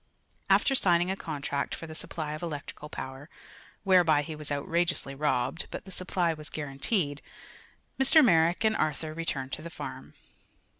After signing a contract for the supply of electrical power, whereby he was outrageously robbed but the supply was guaranteed, Mr. Merrick and Arthur returned to the farm.